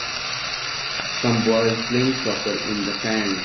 Some boys playing soccer in the sand